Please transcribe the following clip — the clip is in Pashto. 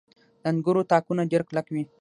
• د انګورو تاکونه ډېر کلک وي.